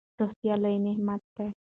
روغتیا لوی نعمت دئ.